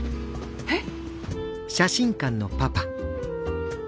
えっ！？